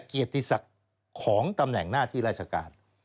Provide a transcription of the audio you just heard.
เกียรติศักดิ์ของตำแหน่งหน้าที่ราชการ